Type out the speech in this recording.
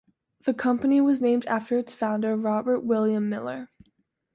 The company was named after its founder Robert William Miller.